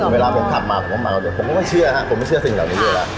เวลาผมขับมาผมก็เมาแต่ผมก็ไม่เชื่อครับผมไม่เชื่อสิ่งเหล่านี้ด้วยแล้ว